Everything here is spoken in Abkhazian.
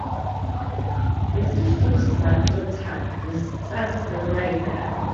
Иазышьҭымхзаап рыцҳа изҵасҵаз аидара.